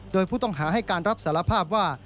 โดยผู้ต้องหาให้การรับสารภาพว่า